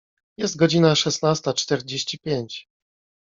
Jest godzina szesnasta czterdzieści pięć.